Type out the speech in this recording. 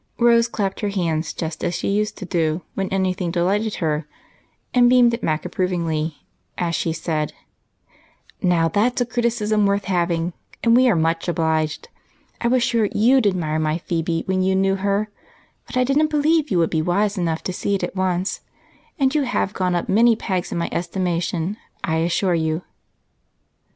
Rose clapped her hands just as she used to do when anything delighted her, and beamed at Mac approvingly as she said: "Now that's a criticism worth having, and we are much obliged. I was sure you'd admire my Phebe when you knew her, but I didn't believe you would be wise enough to see it at once, and you have gone up many pegs in my estimation, I assure you."